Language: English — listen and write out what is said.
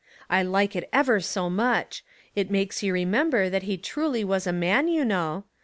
I like it ever so much. It makes you remember that he truly was a man, you know.